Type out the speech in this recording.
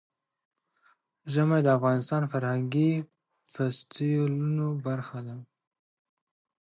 ژمی د افغانستان د فرهنګي فستیوالونو برخه ده.